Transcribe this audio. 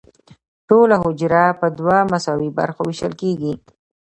ټوله حجره په دوه مساوي برخو ویشل کیږي.